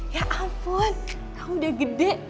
ya ampun aku udah gede